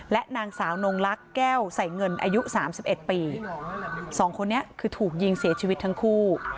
และนางสาวนงลักษณ์แก้วใส่เงินอายุสามสิบเอ็ดปีสองคนนี้คือถูกยิงเสียชีวิตทั้งคู่